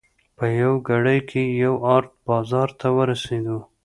په یوه ګړۍ کې یو ارت بازار ته ورسېدو.